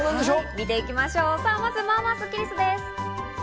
見ていきましょう、まずはまぁまぁスッキりす。